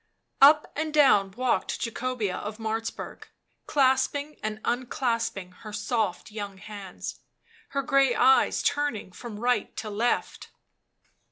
Up and down walked Jacobea of Martzburg, clasping and unclasping her soft young hands, her grey eyes turning from right to left.